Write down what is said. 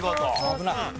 危ない。